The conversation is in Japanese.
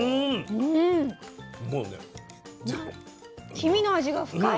黄身の味が深い。